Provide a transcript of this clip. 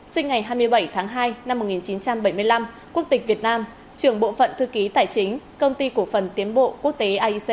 sinh ngày hai mươi bảy tháng hai năm một nghìn chín trăm bảy mươi năm quốc tịch việt nam trưởng bộ phận thư ký tài chính công ty cổ phần tiến bộ quốc tế aic